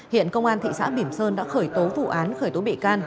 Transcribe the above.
hiện công an thị xã bỉm sơn đã khởi tố vụ án khởi tố bị can